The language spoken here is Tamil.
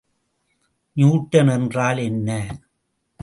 நியூட்டன் என்றால் என்ன?